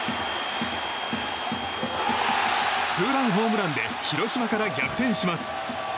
ツーランホームランで広島から逆転します。